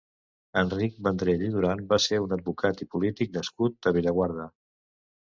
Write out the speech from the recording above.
Enric Vendrell i Duran va ser un advocat i polític nascut a Bellaguarda.